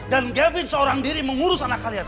dan gavin seorang diri mengurus anak kalian